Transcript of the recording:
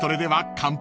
乾杯。